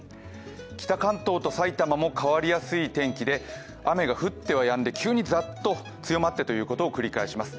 北関東と埼玉も変わりやすい天気で、雨が降ってはやんで、急にザッと強まってということを繰り返します。